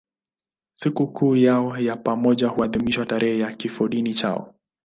Sikukuu yao ya pamoja huadhimishwa tarehe ya kifodini chao.